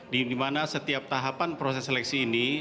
di mana setiap tahapan proses seleksi ini